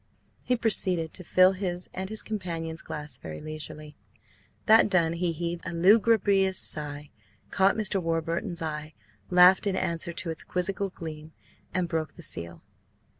He proceeded to fill his and his companion's glass very leisurely. That done, he heaved a lugubrious sigh, caught Mr. Warburton's eye, laughed in answer to its quizzical gleam, and broke the seal.